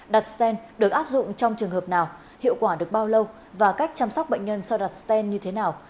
đặt sten được áp dụng trong trường hợp nào hiệu quả được bao lâu và cách chăm sóc bệnh nhân sau đặt stent như thế nào